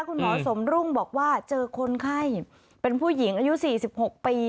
คุณหมอสมรุ่งบอกว่าเจอคนไข้เป็นผู้หญิงอายุ๔๖ปี